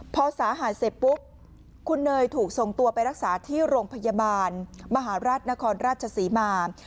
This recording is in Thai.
พอสาหัสเสร็จปุ๊บคุณเนยถูกส่งตัวไปรักษาที่โรงพยาบาลมหาราชนครราชศรีมา